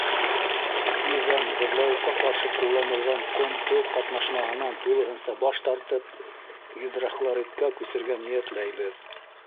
Тиҙҙән боҙлауыҡҡа ҡаршы ҡулланылған ҡом-тоҙ ҡатнашмаһынан тулыһынса баш тартып, гидрохлоридҡа күсергә ниәтләйбеҙ.